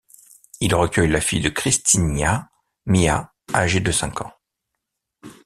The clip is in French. Il recueille la fille de Christinia, Mia, âgée de cinq ans.